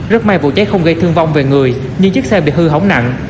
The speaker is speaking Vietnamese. rất may vụ cháy không gây thương vong về người nhưng chiếc xe bị hư hỏng nặng